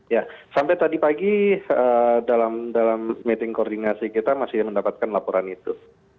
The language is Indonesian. ya sampai tadi pagi dalam meeting koordinasi kita masih mendapatkan laporan itu